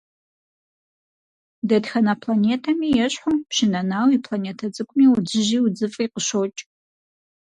Дэтхэнэ планетэми ещхьу, Пщы Нэнау и планетэ цӀыкӀуми удзыжьи удзыфӀи къыщокӀ.